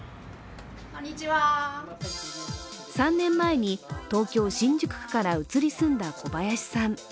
３年前に東京・新宿区から移り住んだ小林さん。